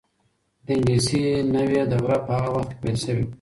د انګلیسي نوې دوره په هغه وخت کې پیل شوې وه.